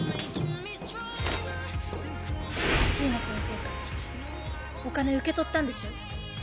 椎名先生からお金受け取ったんでしょ？